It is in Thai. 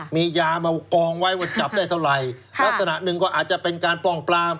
มียามากองไว้ว่าจับได้เท่าไหร่ลักษณะหนึ่งก็อาจจะเป็นการป้องปลาม